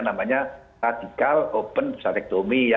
namanya radikal open prostatectomy ya